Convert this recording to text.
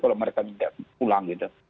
kalau mereka tidak pulang gitu